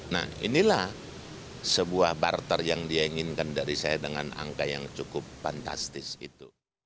nah inilah sebuah barter yang dia inginkan dari saya dengan angka yang cukup fantastis itu